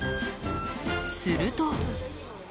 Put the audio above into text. すると。